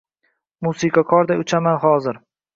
Musiqorday uchaman hozir.